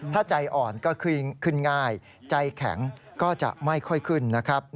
ถ้าใจอ่อนก็ขึ้นง่ายใจแข็งก็จะไม่ค่อยขึ้นนะครับ